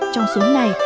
trong số này